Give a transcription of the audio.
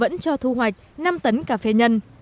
vẫn cho thu hoạch năm tấn cà phê nhân